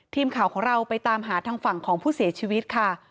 ทีมข่าวของเราไปตามหาทางฝั่งของผู้เสียชีวิตค่ะ